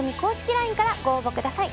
ＬＩＮＥからご応募ください。